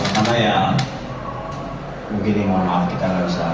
pada hasil ini kita